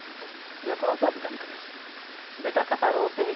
ではこの後は豚肉です。